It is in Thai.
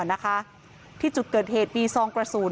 นะคะที่จุดเกิดเหตุมีซองกระสุน